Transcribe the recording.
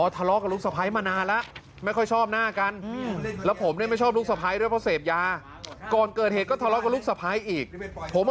อ๋อทะเลาะกับลูกสะพ้ายมานานแล้ว